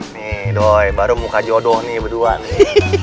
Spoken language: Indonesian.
nih doy baru muka jodoh nih berdua nih